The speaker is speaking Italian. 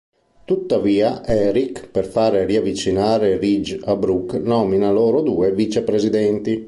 Tuttavia, Eric, per fare riavvicinare Ridge a Brooke, nomina loro due Vicepresidenti.